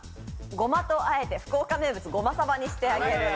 ゴマとあえて福岡名物ゴマサバにしてあげる。